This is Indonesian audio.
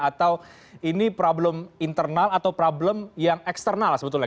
atau ini problem internal atau problem yang eksternal sebetulnya